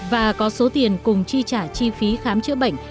và có số tiền cùng chi trả chi phí khám chữa bệnh